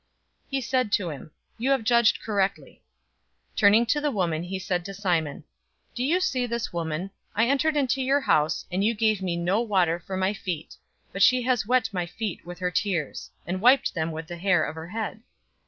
He said to him, "You have judged correctly." 007:044 Turning to the woman, he said to Simon, "Do you see this woman? I entered into your house, and you gave me no water for my feet, but she has wet my feet with her tears, and wiped them with the hair of her head.